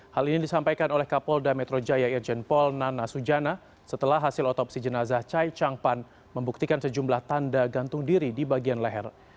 hal ini disampaikan oleh kapolda metro jaya irjen pol nana sujana setelah hasil otopsi jenazah chai chang pan membuktikan sejumlah tanda gantung diri di bagian leher